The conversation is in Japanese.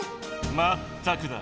まったくだ。